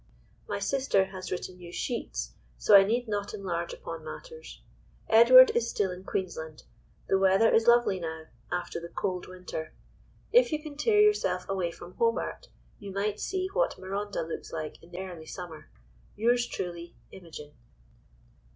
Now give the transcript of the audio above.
My sister has written you sheets, so I need not enlarge upon matters. Edward is still in Queensland. The weather is lovely now, after the cold winter. If you can tear yourself away from Hobart, you might see what Marondah looks like in early summer. "Yours truly, "IMOGEN."